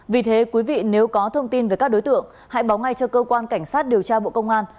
vì thế quý vị nếu có thông tin về các đối tượng hãy báo ngay cho cơ quan cảnh sát điều tra bộ công an